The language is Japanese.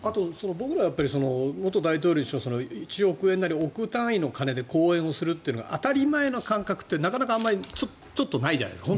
僕ら、元大統領にしろ１億円なり、億単位の金で講演をするっていうのが当たり前の感覚ってなかなかちょっとないじゃないですか。